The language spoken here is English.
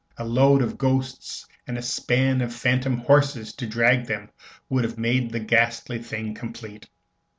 A load of ghosts and a span of phantom horses to drag them would have made the ghastly thing complete.